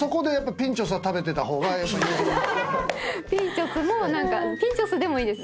ピンチョスもピンチョスでもいいです。